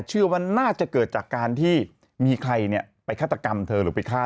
เชื่อว่าน่าจะเกิดจากการที่มีใครไปฆาตกรรมเธอหรือไปฆ่า